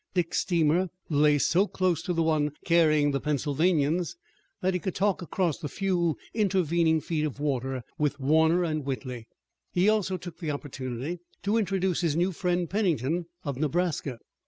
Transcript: But Dick's steamer lay so close to the one carrying the Pennsylvanians that he could talk across the few intervening feet of water with Warner and Whitley. He also took the opportunity to introduce his new friend Pennington, of Nebraska.